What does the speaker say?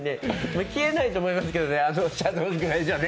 消えないと思いますけどねあのシャドウぐらいじゃね。